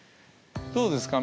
どうですか？